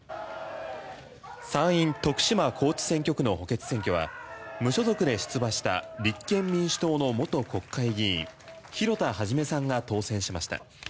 参院徳島・高知選挙区の補欠選挙は無所属で出馬した立憲民主党の元国会議員広田一さんが当選しました。